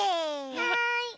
はい。